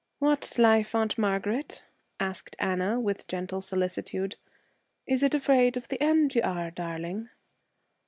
'What life, Aunt Margaret?' asked Anna, with gentle solicitude. 'Is it afraid of the end you are, darling?'